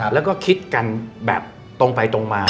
แล้วก็คิดกันแบบตรงไปตรงมา